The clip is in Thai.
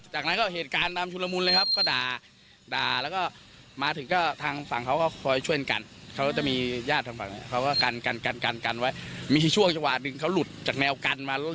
จากนั้นก็เหตุการณ์ตามชุมลมุลเลยครับก็ด่า